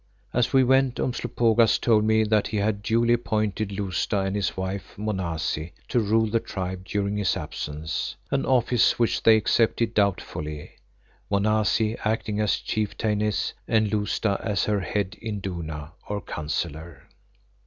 As we went Umslopogaas told me that he had duly appointed Lousta and his wife Monazi to rule the tribe during his absence, an office which they accepted doubtfully, Monazi acting as Chieftainess and Lousta as her head Induna or Councillor.